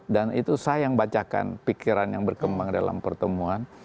dan itu saya yang bacakan pikiran yang berkembang dalam pertemuan